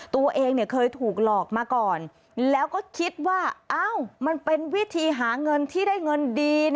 ตัวเองเคยถูกหลอกมาก่อนแล้วก็คิดว่ามันเป็นวิธีหาเงินที่ได้เงินดี